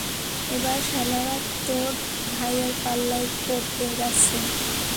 এবার শালারা তোর ভাইয়ের পাল্লায় পড়তে যাচ্ছে।